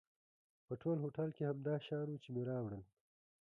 په ټول هوټل کې همدا شیان و چې مې راوړل.